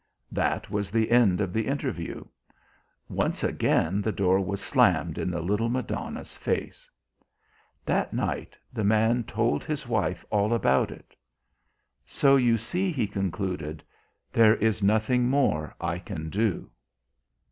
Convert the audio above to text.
That was the end of the interview. Once again the door was slammed in the little Madonna's face. That night the man told his wife all about it. "So you see," he concluded, "there is nothing more I can do."